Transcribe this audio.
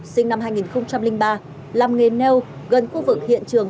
sinh năm hai nghìn ba làm nghề neo gần khu vực hiện trường